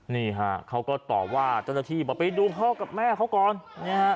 นี่ฮะเขาก็ตอบว่าเจ้าหน้าที่บอกไปดูพ่อกับแม่เขาก่อนนะฮะ